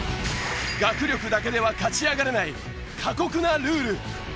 学力だけでは勝ち上がれない過酷なルール。